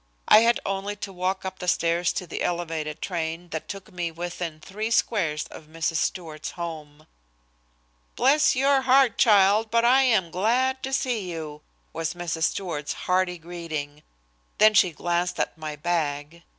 I had only to walk up the stairs to the elevated train that took me within three squares of Mrs. Stewart's home. "Bless your heart, child, but I am glad to see you!" was Mrs. Stewart's hearty greeting. Then she glanced at my bag.